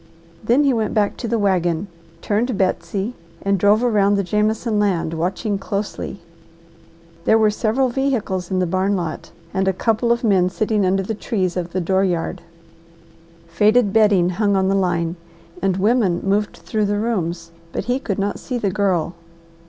Then he went back to the wagon, turned Betsy, and drove around the Jameson land watching closely. There were several vehicles in the barn lot, and a couple of men sitting under the trees of the door yard. Faded bedding hung on the line and women moved through the rooms, but he could not see the Girl.